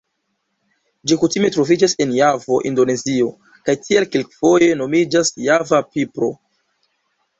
Ĝi kutime troviĝas en Javo Indonezio, kaj tial kelkfoje nomiĝas Java pipro.